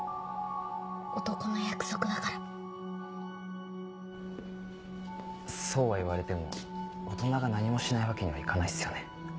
男の約束だからそうは言われても大人が何もしないわけにはいかないっすよね。